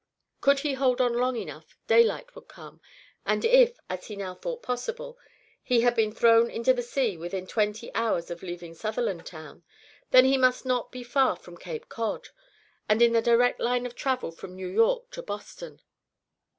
Could he hold on long enough, daylight would come; and if, as he now thought possible, he had been thrown into the sea within twenty hours after leaving Sutherlandtown, then he must be not far from Cape Cod, and in the direct line of travel from New York to Boston.